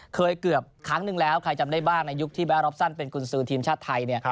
เกือบครั้งนึงแล้วใครจำได้บ้างในยุคที่แบร็ปซันเป็นกุญสือทีมชาติไทย